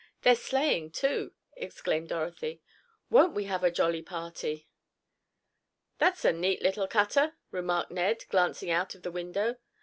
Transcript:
They're sleighing, too," exclaimed Dorothy. "Won't we have a jolly party!" "That's a neat little cutter," remarked Ned, glancing out of the window.